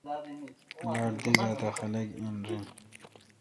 با ڑ دی زات اہ خلق این رن۔